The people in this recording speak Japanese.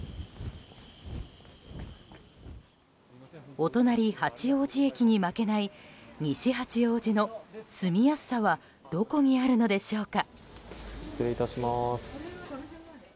お隣、八王子駅に負けない西八王子の住みやすさはどこにあるのでしょうか。